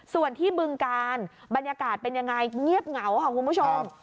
ส่วนที่บึงการบรรยากาศเป็นยังไงเงียบเหงาค่ะคุณผู้ชม